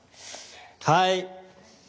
はい。